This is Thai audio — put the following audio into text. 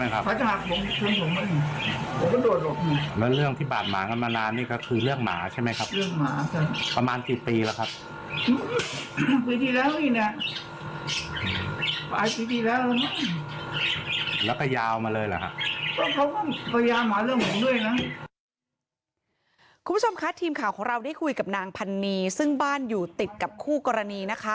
คุณผู้ชมคะทีมข่าวของเราได้คุยกับนางพันนีซึ่งบ้านอยู่ติดกับคู่กรณีนะคะ